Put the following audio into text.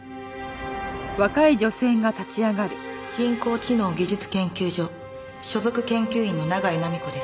人工知能技術研究所所属研究員の長江菜美子です。